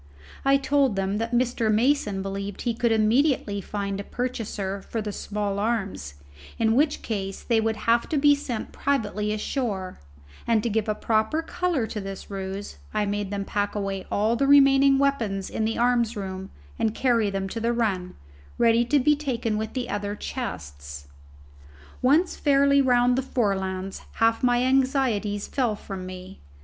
I told them that Mr. Mason believed he could immediately find a purchaser for the small arms, in which case they would have to be sent privately ashore; and to give a proper colour to this ruse I made them pack away all the remaining weapons in the arms room and carry them to the run, ready to be taken with the other chests. Once fairly round the Forelands half my anxieties fell from me.